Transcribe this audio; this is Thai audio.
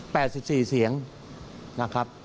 สิบสี่เสียงนะครับ